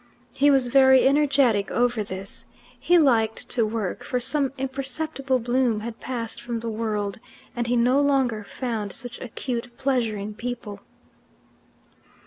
He was very energetic over this; he liked to work, for some imperceptible bloom had passed from the world, and he no longer found such acute pleasure in people.